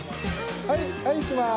はいはいいきます。